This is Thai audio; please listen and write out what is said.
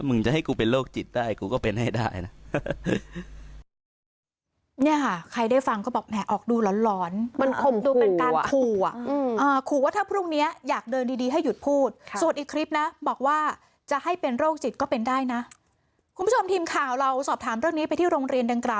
จะให้กูเป็นโรคจิตได้กูก็เป็นให้ได้นะ